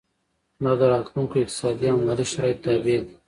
دا د راتلونکو اقتصادي او مالي شرایطو تابع دي.